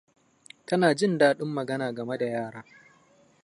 Tana jin daɗin magana game da yara.